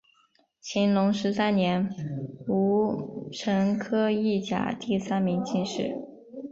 乾隆十三年戊辰科一甲第三名进士。